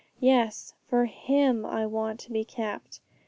Yes, for Him I want to be kept.